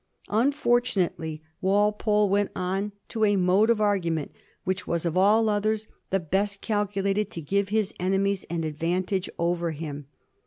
Unfortu nately, Walpole went on to a mode of argument which was, of all others, the best calculated to give his enemies an advantage over him.